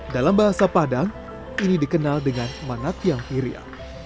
dalam bahasa padang ini dikenal dengan manatyang iria